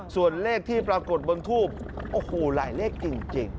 ส่วนเลขที่ปรากฏบนทูบโอ้โหหลายเลขจริง